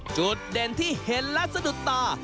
จุดเด่นที่เห็นและสะดุดตา